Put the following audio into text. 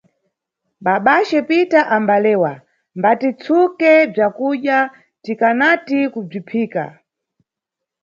Babace Pita ambalewa, mbatitsuke bzakudya tikanati kubziphika.